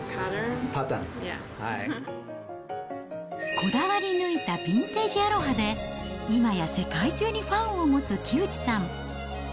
こだわりぬいたビンテージアロハで、今や世界中にファンを持つ木内さん。